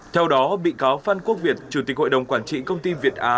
theo đó bị cáo phan quốc việt chủ tịch hội đồng quản trị công ty việt á